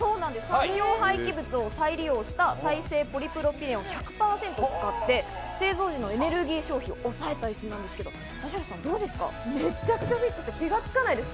産業廃棄物を再利用した再生ポリプロピレンを１００％使って、製造時のエネルギー消費を抑えたいすなんですけど、めちゃくちゃいいです。